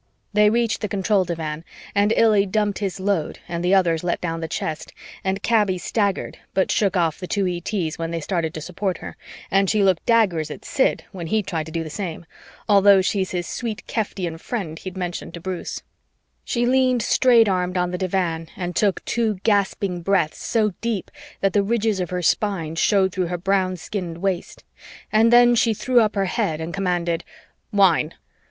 They reached the control divan and Illy dumped his load and the others let down the chest, and Kaby staggered but shook off the two ETs when they started to support her, and she looked daggers at Sid when he tried to do the same, although she's his "sweet Keftian friend" he'd mentioned to Bruce. She leaned straight armed on the divan and took two gasping breaths so deep that the ridges of her spine showed through her brown skinned waist, and then she threw up her head and commanded, "Wine!"